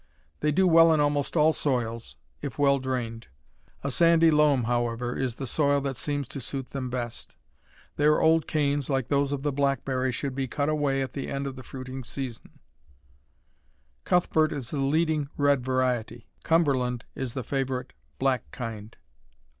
They do well in almost all soils, if well drained. A sandy loam, however, is the soil that seems to suit them best. Their old canes, like those of the blackberry, should be cut away at the end of the fruiting season. Cuthbert is the leading red variety. Cumberland is the favorite black kind.